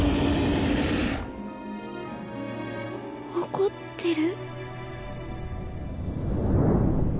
怒ってる？